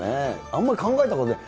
あんまり考えたことない。